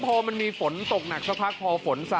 พอมันมีฝนตกหนักพอฝนค่ะ